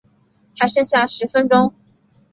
还剩下十分钟